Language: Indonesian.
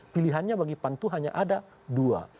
pilihannya bagi pan itu hanya ada dua